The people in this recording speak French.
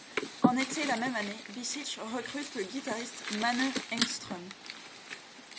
En été la même année, Beseech recrute le guitariste Manne Engström.